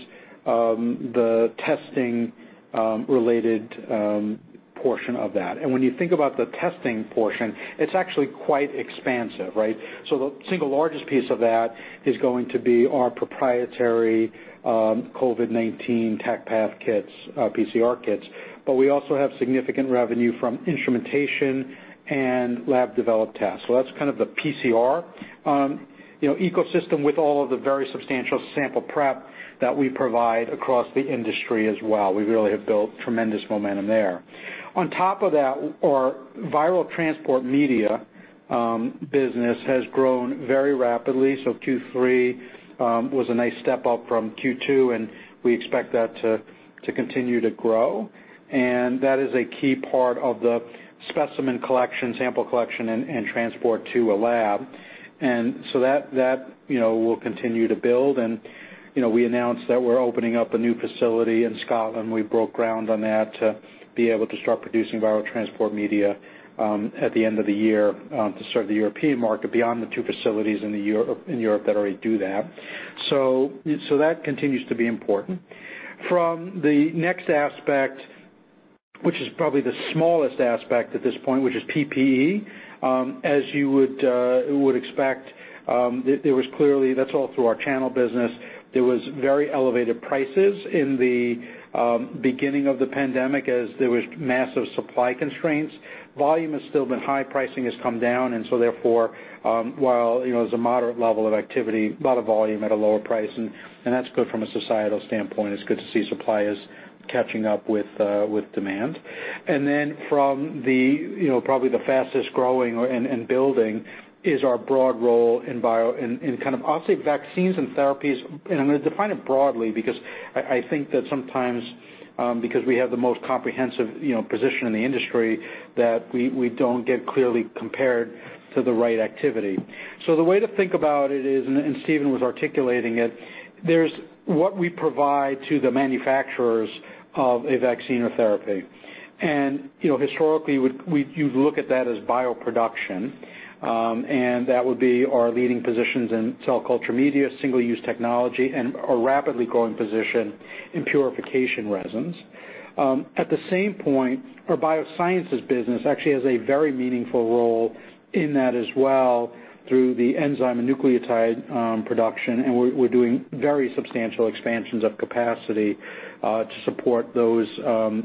S3: the testing-related portion of that. When you think about the testing portion, it's actually quite expansive, right? The single largest piece of that is going to be our proprietary COVID-19 TaqPath kits, PCR kits. We also have significant revenue from instrumentation and lab-developed tests. That's kind of the PCR ecosystem with all of the very substantial sample prep that we provide across the industry as well. We really have built tremendous momentum there. On top of that, our viral transport media business has grown very rapidly. Q3 was a nice step up from Q2, and we expect that to continue to grow. That is a key part of the specimen collection, sample collection, and transport to a lab. That will continue to build. We announced that we're opening up a new facility in Scotland. We broke ground on that to be able to start producing viral transport media at the end of the year to serve the European market beyond the two facilities in Europe that already do that. That continues to be important. From the next aspect, which is probably the smallest aspect at this point, which is PPE, as you would expect, that's all through our channel business. There were very elevated prices in the beginning of the pandemic as there were massive supply constraints. Volume has still been high, pricing has come down, and so therefore, while there's a moderate level of activity, there's a lot of volume at a lower price, and that's good from a societal standpoint. It's good to see suppliers catching up with demand. From probably the fastest-growing and building is our broad role in, I'll say, vaccines and therapies. I'm going to define it broadly because I think that sometimes because we have the most comprehensive position in the industry, we don't get clearly compared to the right activity. The way to think about it is Stephen was articulating it: there's what we provide to the manufacturers of a vaccine or therapy. Historically, you'd look at that as bioproduction. That would be our leading positions in cell culture media, single-use technology, and our rapidly growing position in purification resins. At the same point, our biosciences business actually has a very meaningful role in that as well through the enzyme and nucleotide production, and we're doing very substantial expansions of capacity to support those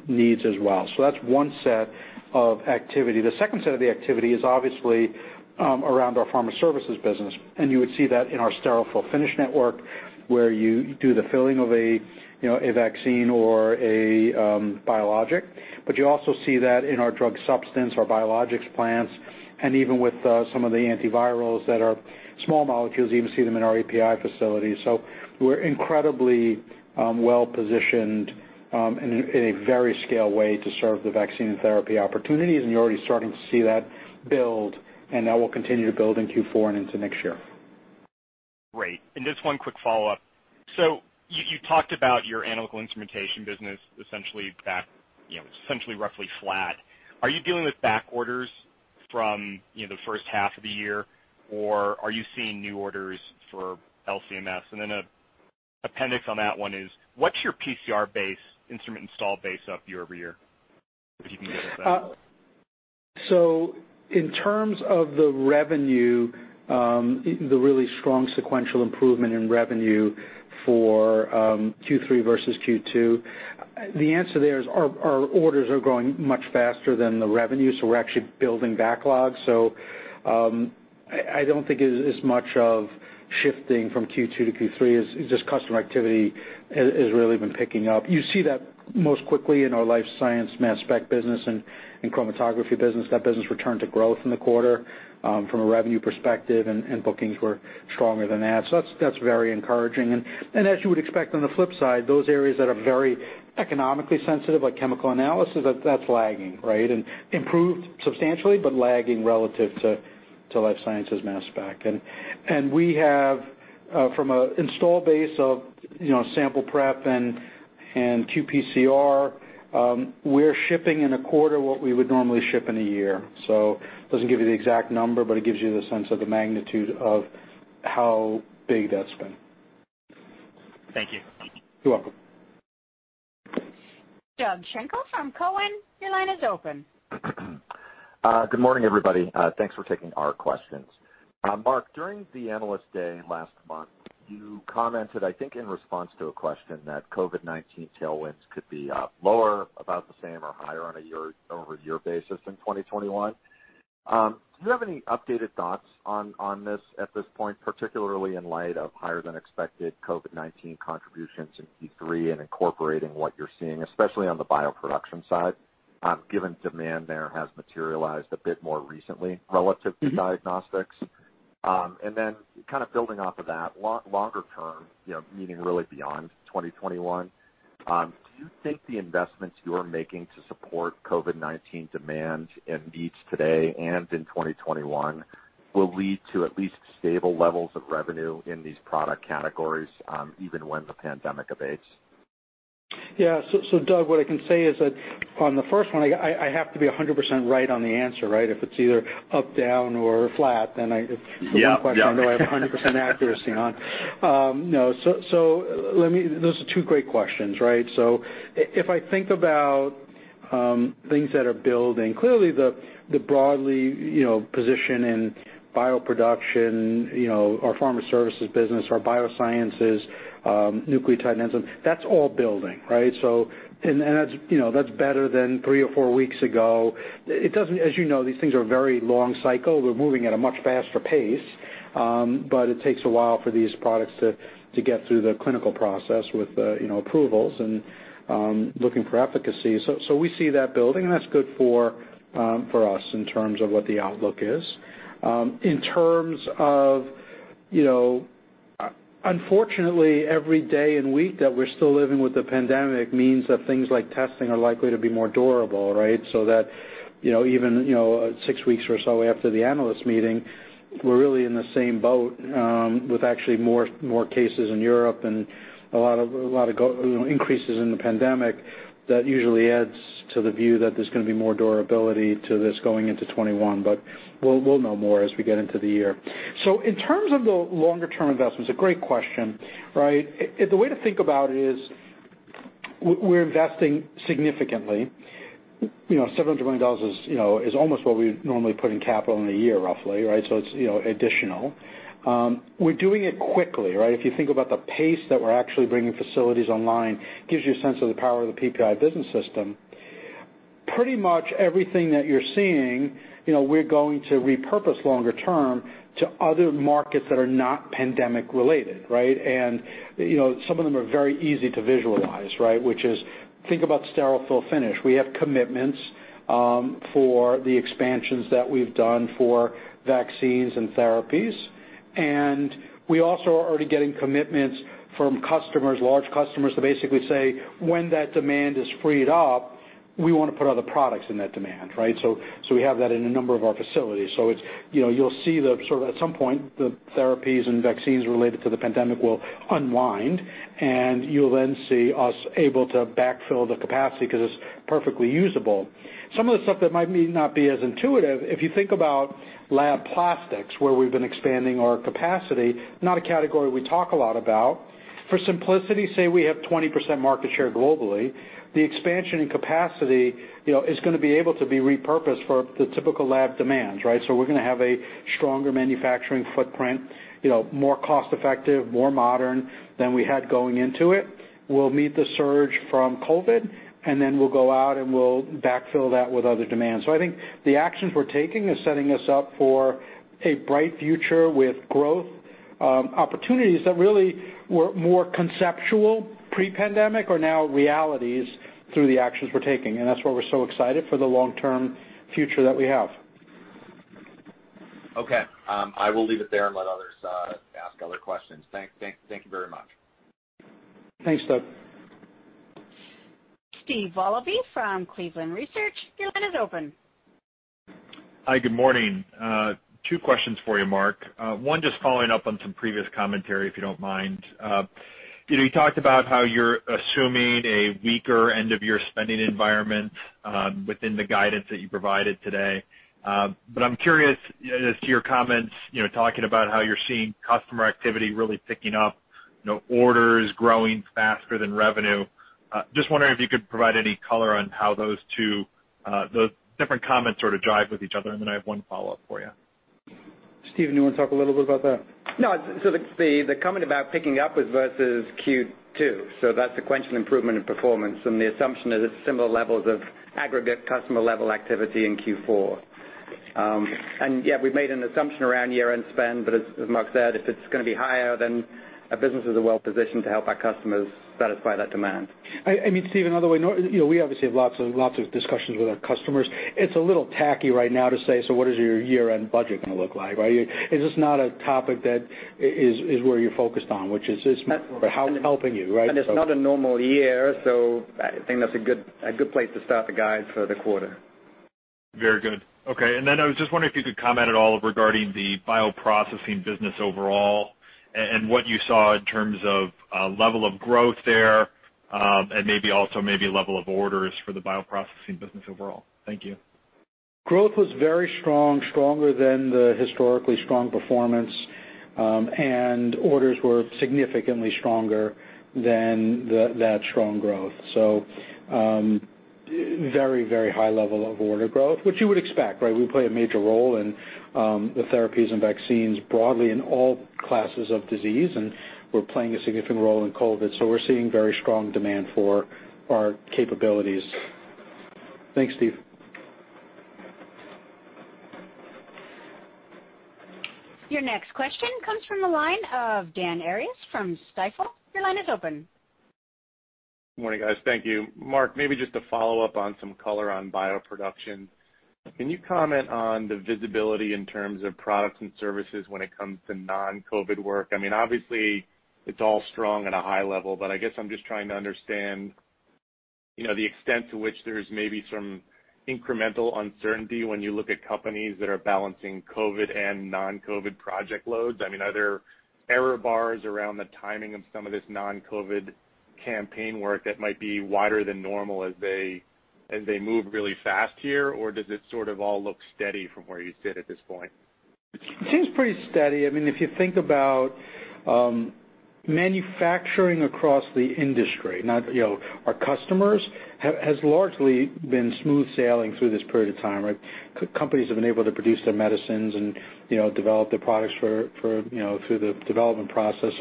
S3: needs as well. That's one set of activities. The second set of the activity is obviously around our pharma services business, and you would see that in our sterile fill-finish network, where you do the filling of a vaccine or a biologic. You also see that in our drug substance, our biologics plants, and even with some of the antivirals that are small molecules; you even see them in our API facilities. We're incredibly well-positioned in a very scalable way to serve the vaccine and therapy opportunities, and you're already starting to see that build, and that will continue to build in Q4 and into next year.
S8: Great. Just one quick follow-up. You talked about your analytical instrumentation business; it's essentially roughly flat. Are you dealing with back orders from the first half of the year, or are you seeing new orders for LC-MS? Then an appendix on that one is, what's your PCR instrument install base up year-over-year? If you can get at that.
S3: In terms of the revenue, the really strong sequential improvement in revenue for Q3 versus Q2, the answer there is our orders are growing much faster than the revenue, so we're actually building backlogs. I don't think it is as much of a shift from Q2-Q3, as just customer activity has really been picking up. You see that most quickly in our life science mass spec business and chromatography business. That business returned to growth in the quarter, from a revenue perspective, and bookings were stronger than that. That's very encouraging. As you would expect on the flip side, those areas that are very economically sensitive, like chemical analysis, are lagging. Improved substantially, but lagging relative to life sciences mass spec. We have, from an install base of sample prep and qPCR, shipped in a quarter what we would normally ship in a year. It doesn't give you the exact number, but it gives you the sense of the magnitude of how big that's been.
S8: Thank you.
S3: You're welcome.
S1: Doug Schenkel from Cowen, your line is open.
S9: Good morning, everybody. Thanks for taking our questions. Marc, during the Analyst Day last month, you commented, I think in response to a question, that COVID-19 tailwinds could be lower, about the same, or higher on a year-over-year basis in 2021. Do you have any updated thoughts on this at this point, particularly in light of higher-than-expected COVID-19 contributions in Q3 and incorporating what you're seeing, especially on the bioproduction side, given demand there has materialized a bit more recently relative to diagnostics? Then kind of building off of that, longer term, meaning really beyond 2021, do you think the investments you are making to support COVID-19 demand and needs today and in 2021 will lead to at least stable levels of revenue in these product categories even when the pandemic abates?
S3: Yeah. Doug, what I can say is that on the first one, I have to be 100% right on the answer, right? If it's either up, down or flat, then it's—
S9: Yeah
S3: 100% accuracy. Two great questions. If I think about things that are building, clearly the broad position in bioproduction, our pharma services business, our biosciences, and nucleotide enzymes are all building. That's better than three or four weeks ago. As you know, these things are a very long cycle. We're moving at a much faster pace, but it takes a while for these products to get through the clinical process with approvals and looking for efficacy. We see that building, and that's good for us in terms of what the outlook is. Unfortunately, every day and week that we're still living with the pandemic means that things like testing are likely to be more durable. That, even six weeks or so after the analyst meeting, we're really in the same boat, with actually more cases in Europe and a lot of increases in the pandemic. That usually adds to the view that there's going to be more durability to this going into 2021. We'll know more as we get into the year. In terms of the longer-term investments, a great question. The way to think about it is we're investing significantly. $700 million is almost what we normally put in capital in a year, roughly. It's additional. We're doing it quickly. If you think about the pace at which we're actually bringing facilities online, it gives you a sense of the power of the PPI business system. Pretty much everything that you're seeing, we're going to repurpose longer-term to other markets that are not pandemic-related. Some of them are very easy to visualize, which is thinking about sterile fill-finish. We have commitments for the expansions that we've done for vaccines and therapies. We also are already getting commitments from large customers to basically say, When that demand is freed up, we want to put other products in that demand. We have that in a number of our facilities. You'll see at some point that the therapies and vaccines related to the pandemic will unwind, and you'll then see us able to backfill the capacity because it's perfectly usable. Some of the stuff that might not be as intuitive, if you think about lab plastics, where we've been expanding our capacity, is not a category we talk a lot about. For simplicity, say we have 20% market share globally. The expansion in capacity is going to be able to be repurposed for the typical lab demands. We're going to have a stronger manufacturing footprint, more cost-effective, and more modern than we had going into it. We'll meet the surge from COVID, and then we'll go out and we'll backfill that with other demands. I think the actions we're taking are setting us up for a bright future with growth opportunities that really were more conceptual pre-pandemic but are now realities through the actions we're taking. That's why we're so excited for the long-term future that we have.
S9: Okay. I will leave it there and let others ask other questions. Thank you very much.
S3: Thanks, Doug.
S1: Steve Willoughby from Cleveland Research, your line is open.
S10: Hi, good morning. Two questions for you, Marc. One, just following up on some previous commentary, if you don't mind. You talked about how you're assuming a weaker end-of-year spending environment within the guidance that you provided today. I'm curious as to your comments, talking about how you're seeing customer activity really picking up, orders growing faster than revenue. Just wondering if you could provide any color on how those two different comments sort of jive with each other, and then I have one follow-up for you.
S3: Stephen, you want to talk a little bit about that?
S4: No. The comment about picking up was versus Q2, so that's sequential improvement in performance, and the assumption is it's similar levels of aggregate customer-level activity in Q4. Yeah, we've made an assumption around year-end spend, but as Marc said, if it's going to be higher, then our business is well-positioned to help our customers satisfy that demand.
S3: Stephen, we obviously have lots of discussions with our customers. It's a little tacky right now to say, So what is your year-end budget going to look like? right? It's just not a topic that is where you're focused on, which is helping you, right?
S4: It's not a normal year, so I think that's a good place to start the guide for the quarter.
S10: Very good. Okay. I was just wondering if you could comment at all regarding the bioprocessing business overall and what you saw in terms of level of growth there, maybe also level of orders for the bioprocessing business overall. Thank you.
S3: Growth was very strong, stronger than the historically strong performance, and orders were significantly stronger than that strong growth. Very high level of order growth, which you would expect, right? We play a major role in the therapies and vaccines broadly in all classes of disease, and we're playing a significant role in COVID-19. We're seeing very strong demand for our capabilities. Thanks, Stephen.
S1: Your next question comes from the line of Dan Arias from Stifel. Your line is open.
S11: Good morning, guys. Thank you. Marc, maybe just to follow up on some color on bioproduction. Can you comment on the visibility in terms of products and services when it comes to non-COVID work? Obviously, it's all strong at a high level, but I guess I'm just trying to understand the extent to which there's maybe some incremental uncertainty when you look at companies that are balancing COVID and non-COVID project loads. Are there error bars around the timing of some of this non-COVID campaign work that might be wider than normal as they move really fast here, or does it sort of all look steady from where you sit at this point?
S3: It seems pretty steady. If you think about manufacturing across the industry, our customers have largely been smooth sailing through this period of time, right? Companies have been able to produce their medicines and develop their products through the development process.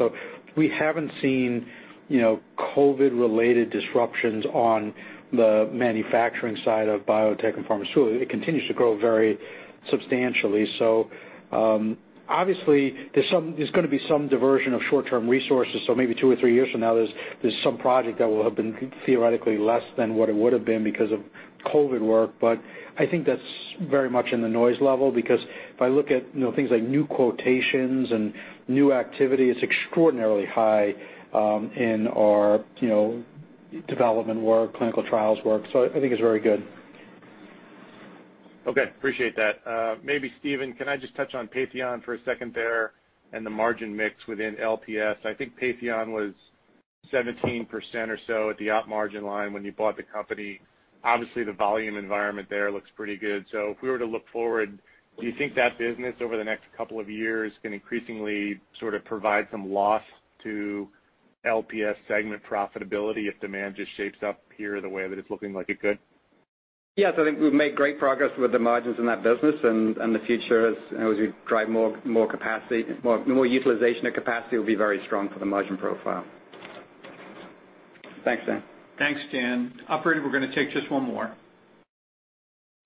S3: We haven't seen COVID-related disruptions on the manufacturing side of biotech and pharmaceuticals. It continues to grow very substantially. Obviously, there's going to be some diversion of short-term resources. Maybe two or three years from now, there'll be some project that will have been theoretically less than what it would've been because of COVID work. I think that's very much in the noise level, because if I look at things like new quotations and new activity, it's extraordinarily high in our development work and clinical trials work. I think it's very good.
S11: Okay. Appreciate that. Maybe Stephen, can I just touch on Patheon for a second there and the margin mix within LPS? I think Patheon was 17% or so at the op margin line when you bought the company. Obviously, the volume environment there looks pretty good. If we were to look forward, do you think that business over the next couple of years can increasingly sort of provide some loss to LPS segment profitability if demand just shapes up here the way that it's looking like it could?
S4: Yes, I think we've made great progress with the margins in that business, and the future, as we drive more utilization of capacity, will be very strong for the margin profile. Thanks, Dan.
S3: Thanks, Dan. Operator, we're going to take just one more.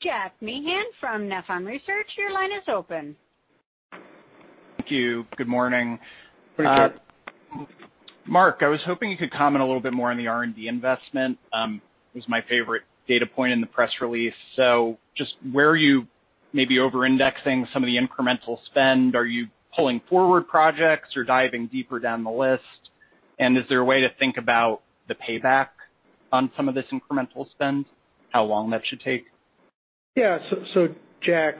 S1: Jack Meehan from Nephron Research, your line is open.
S12: Thank you. Good morning.
S3: Good morning, Jack.
S12: Marc, I was hoping you could comment a little bit more on the R&D investment. It was my favorite data point in the press release. Where are you maybe overindexing some of the incremental spend? Are you pulling forward projects or diving deeper down the list? Is there a way to think about the payback on some of this incremental spend and how long that should take?
S3: Yeah. Jack,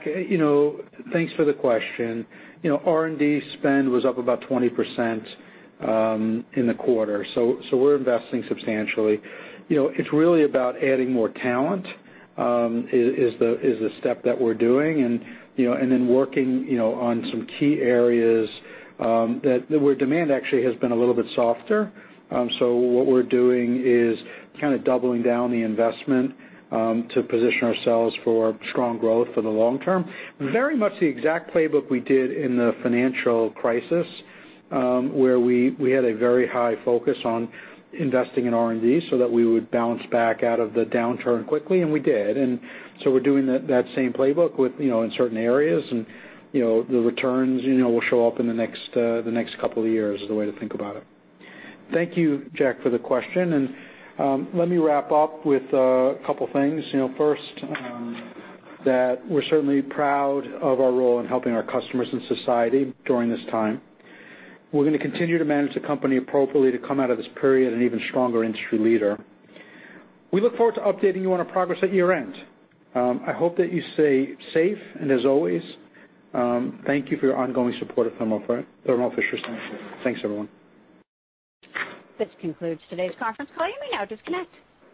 S3: thanks for the question. R&D spend was up about 20% in the quarter, so we're investing substantially. It's really about adding more talent, which is the step that we're taking, and then working on some key areas where demand actually has been a little bit softer. What we're doing is kind of doubling down on the investment to position ourselves for strong growth for the long term. Very much the exact playbook we did in the financial crisis, where we had a very high focus on investing in R&D so that we would bounce back out of the downturn quickly, and we did. We're doing that same playbook in certain areas, and the returns will show up in the next couple of years is the way to think about it. Thank you, Jack, for the question. Let me wrap up with a couple of things. First, that we're certainly proud of our role in helping our customers and society during this time. We're going to continue to manage the company appropriately to come out of this period an even stronger industry leader. We look forward to updating you on our progress at year-end. I hope that you stay safe, and as always, thank you for your ongoing support of Thermo Fisher Scientific. Thanks, everyone.
S1: This concludes today's conference call. You may now disconnect.